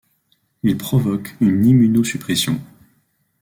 Il provoque une immunosuppression.